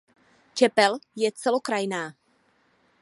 Čepel je celokrajná.